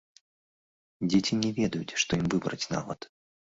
Дзеці не ведаюць, што ім выбраць нават!